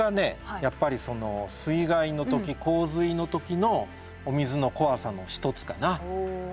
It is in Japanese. やっぱり水害の時洪水の時のお水の怖さの一つかな。